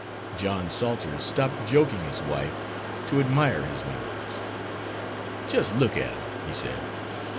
John Salters stopped joking his wife to admire his mules. "Jis' look at dem," he said.